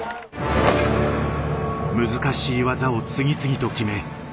難しい技を次々と決め